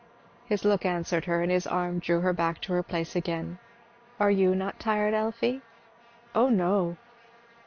His look answered her, and his arm drew her back to her place again. "Are you not tired, Elfie?" "Oh no!